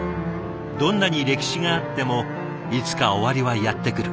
どんなに歴史があってもいつか終わりはやってくる。